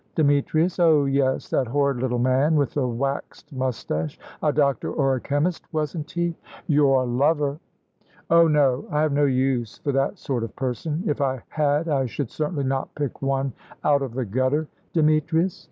"Demetrius? Oh yes, that horrid little man with the waxed moustache: a doctor or a chemist, wasn't he?" "Your lover!" "Oh no. I have no use for that sort of person; if I had I should certainly not pick one out of the gutter. Demetrius?